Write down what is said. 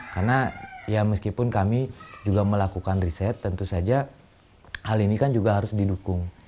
karena meskipun kami juga melakukan riset tentu saja hal ini kan juga harus didukung